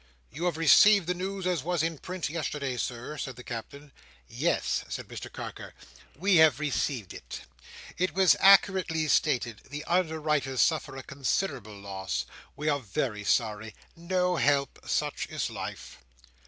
"You have received the news as was in print yesterday, Sir?" said the Captain. "Yes," said Mr Carker, "we have received it! It was accurately stated. The underwriters suffer a considerable loss. We are very sorry. No help! Such is life!"